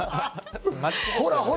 ほら！